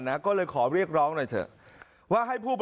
หรือก็เห็นรถวิบล้อมรอบ